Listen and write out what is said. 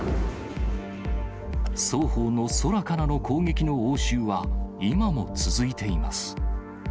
双方の空からの攻撃の応酬は、今も続いています。